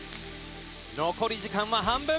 「残り時間は半分」